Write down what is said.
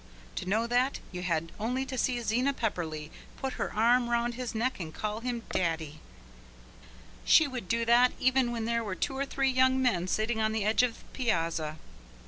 To know that, you had only to see Zena Pepperleigh put her arm round his neck and call him Daddy. She would do that even when there were two or three young men sitting on the edge of the piazza.